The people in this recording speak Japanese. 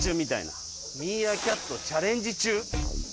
「ミーアキャットチャレンジ中」。